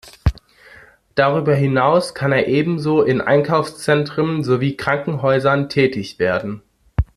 Darüber hinaus kann er ebenso in Einkaufszentren sowie Krankenhäusern tätig werden.